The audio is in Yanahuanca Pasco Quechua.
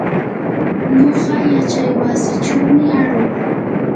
nuqa yachaywasichumi aruu.